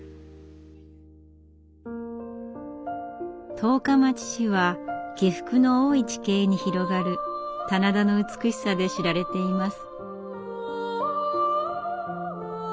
十日町市は起伏の多い地形に広がる棚田の美しさで知られています。